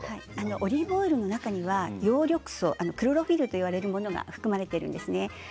オリーブオイルの中には葉緑素、クロロフィルといわれるものが含まれているんですね。